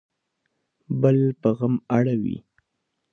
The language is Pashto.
بل په غم اړوي